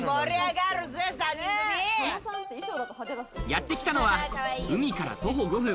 やってきたのは海から徒歩５分。